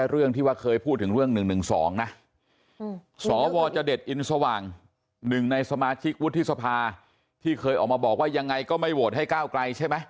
รัฐสภาที่เคยออกมาบอกว่ายังไงก็ไม่โหวตให้ก้าวไกลใช่ไหม